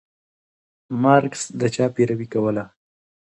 مارکس د چا پيروي کوله؟